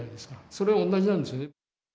それはおんなじなんですよね。